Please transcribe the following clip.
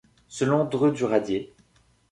Selon Dreux du Radier,